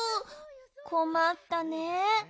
こまったね。